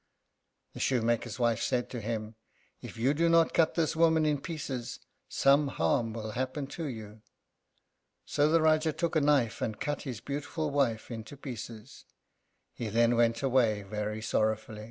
The shoemaker's wife said to him, "If you do not cut this woman in pieces, some harm will happen to you." So the Rájá took a knife and cut his beautiful wife into pieces. He then went away very sorrowful.